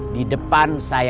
di depan saya